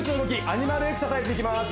アニマルエクササイズいきまーす